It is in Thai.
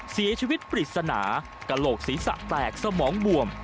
เสียชีวิตปริศนากระโหลกศีรษะแตกสมองบวม